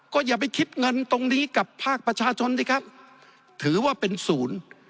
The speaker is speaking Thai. ก็อย่าไปคิดเงินตรงนี้กับภาคประชาชนสิครับถือว่าเป็นศูนย์